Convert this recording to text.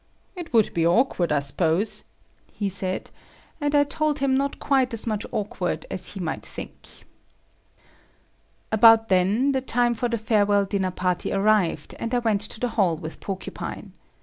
It would be awkward, I suppose," he said, and I told him not quite as much awkward as he might think. About then, the time for the farewell dinner party arrived, and I went to the hall with Porcupine.